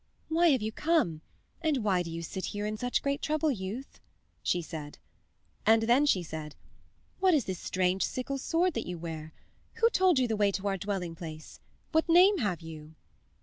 "Why have you come, and why do you sit here in such great trouble, youth?" said she. And then she said: "What is this strange sickle sword that you wear? Who told you the way to our dwelling place? What name have you?"